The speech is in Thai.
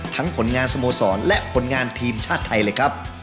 ผลงานสโมสรและผลงานทีมชาติไทยเลยครับ